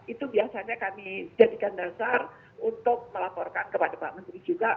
itu biasanya kami jadikan dasar untuk melaporkan kepada pak menteri juga